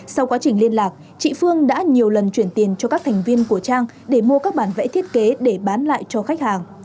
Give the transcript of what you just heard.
sau quá trình liên lạc chị phương đã nhiều lần chuyển tiền cho các thành viên của trang để mua các bản vẽ thiết kế để bán lại cho khách hàng